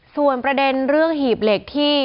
ส่วนประเด็นเรื่องหีบเหล็กที่